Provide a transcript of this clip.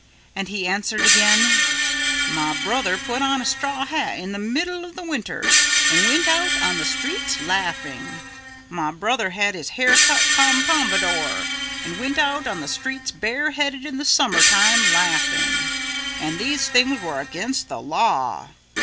And he answered again, "My brother put on a straw hat in the middle of the winter and went out on the streets laughing; my brother had his hair cut pompompadour and went out on the streets bareheaded in the summertime laughing; and these things were against the law.